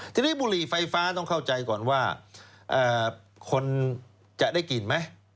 ทีนี้บุหรี่ไฟฟ้าต้องเข้าใจก่อนว่าคนจะได้กลิ่นไหม